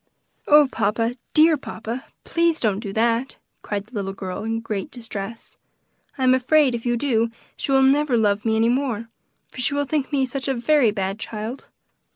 "Oh, papa! dear papa! please don't do that!" cried the little girl in great distress. "I am afraid if you do she will never love me any more, for she will think me such a very bad child."